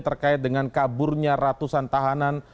terkait dengan kaburnya ratusan tahanan